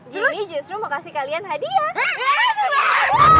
gini justru mau kasih kalian hadiah